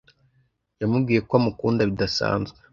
yamubwiye ko amukunda bidasanzwe